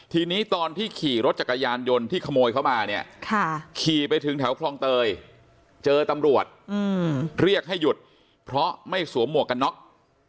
ทีนี้ตอนที่ขี่รถจักรยานยนต์ที่ขโมยเขามาเนี่ยขี่ไปถึงแถวคลองเตยเจอตำรวจเรียกให้หยุดเพราะไม่สวมหมวกกันน็อก